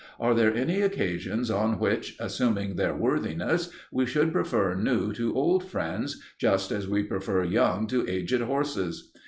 Are there any occasions on which, assuming their worthiness, we should prefer new to old friends, just as we prefer young to aged horses?